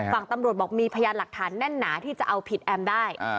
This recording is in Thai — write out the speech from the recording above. ฝั่งตำรวจบอกมีพยานหลักฐานแน่นหนาที่จะเอาผิดแอมได้